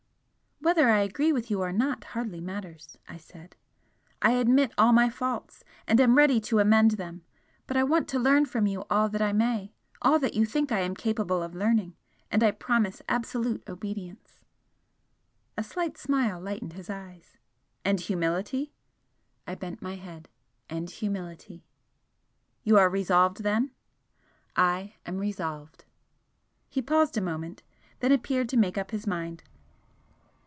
"Whether I agree with you or not hardly matters," I said "I admit all my faults and am ready to amend them. But I want to learn from you all that I may all that you think I am capable of learning and I promise absolute obedience " A slight smile lightened his eyes. "And humility?" I bent my head. "And humility!" "You are resolved, then?" "I am resolved!" He paused a moment, then appeared to make up his mind.